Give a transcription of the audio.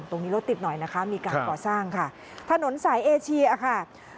รถติดหน่อยนะคะมีการก่อสร้างค่ะถนนสายเอเชียค่ะ